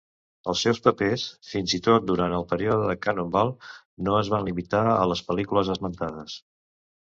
Els seus papers, fins i tot durant el període de Cannonball, no es van limitar a les pel·lícules esmentades.